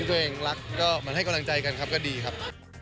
ตัวเองรักก็เหมือนให้กำลังใจกันครับก็ดีครับ